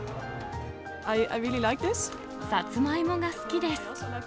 さつまいもが好きです。